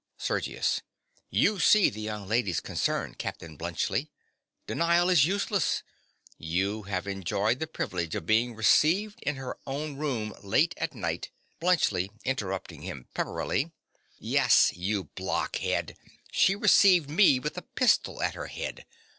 SERGIUS. You see the young lady's concern, Captain Bluntschli. Denial is useless. You have enjoyed the privilege of being received in her own room, late at night— BLUNTSCHLI. (interrupting him pepperily). Yes; you blockhead! She received me with a pistol at her head.